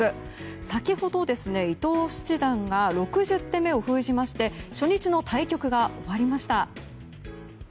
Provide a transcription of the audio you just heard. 先ほど、伊藤七段が６０手目を封じまして初日の対局が終わりました。